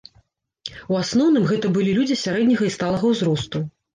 У асноўным гэта былі людзі сярэдняга і сталага ўзросту.